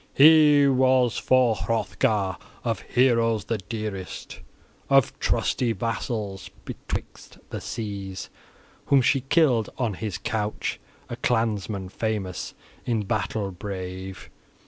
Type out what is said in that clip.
He was for Hrothgar of heroes the dearest, of trusty vassals betwixt the seas, whom she killed on his couch, a clansman famous, in battle brave.